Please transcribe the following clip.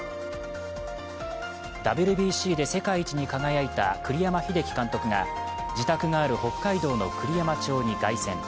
ＷＢＣで世界一に輝いた栗山英樹監督が自宅がある北海道の栗山町に凱旋。